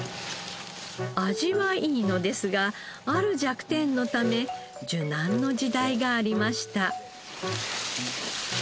味はいいのですがある弱点のため受難の時代がありました。